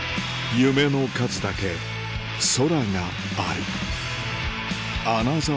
夢の数だけ空がある